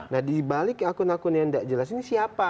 nah dibalik akun akun yang tidak jelas ini siapa